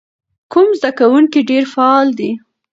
کوم زده کوونکی ډېر فعال دی؟